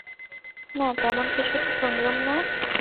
না, তেমন কিছু তো শুনলুম না।